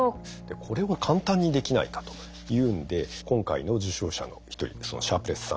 これを簡単にできないかというんで今回の受賞者の一人シャープレスさんが考えたのはですね